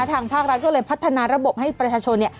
ทางภาครัฐก็เลยพัฒนาระบบให้ประชาชนเนี่ย